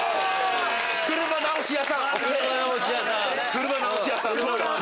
車直し屋さんＯＫ！